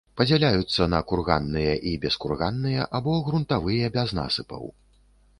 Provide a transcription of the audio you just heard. Падзяляюцца на курганныя і бескурганныя, або грунтавыя без насыпаў.